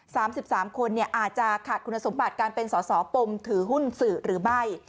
สามสิบสามคนเนี่ยอาจจะขาดคุณสมบัติการเป็นสอสอปมถือหุ้นสื่อหรือไม่